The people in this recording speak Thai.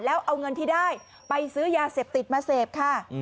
แล้วเอาเงินที่ได้ไปซื้อยาเสพติดมาเสพค่ะ